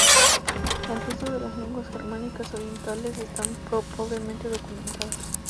El resto de lenguas germánicas orientales están pobremente documentadas.